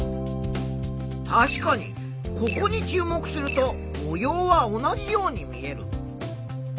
確かにここに注目すると模様は同じように見える。